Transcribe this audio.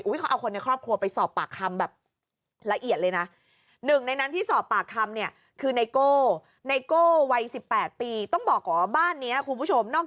อุ๊ยเขาเอาคนในครอบครัวไปสอบปากคำแบบ